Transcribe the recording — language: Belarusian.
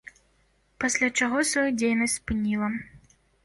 Пасля чаго сваю дзейнасць спыніла.